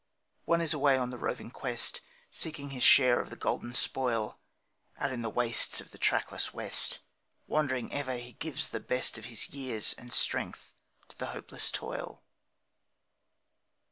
One is away on the roving quest, Seeking his share of the golden spoil, Out in the wastes of the trackless west, Wandering ever he gives the best Of his years and strength to the hopeless toil.